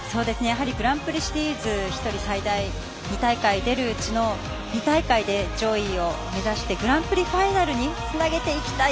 グランプリシリーズ１人最大２大会出るうちの２大会で上位を目指してグランプリファイナルにつなげていきたい。